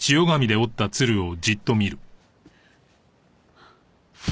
あっ。